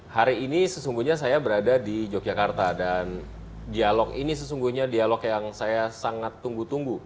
hari ini sesungguhnya saya berada di yogyakarta dan dialog ini sesungguhnya dialog yang saya sangat tunggu tunggu